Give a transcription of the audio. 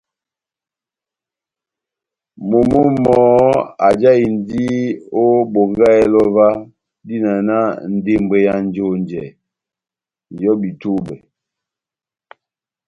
Momó mɔhɔ́ ajáhindi ó Bongáhɛlɛ óvah, dína náh ndembwɛ ya njonjɛ, ŋ’hɔ́bi túbɛ́.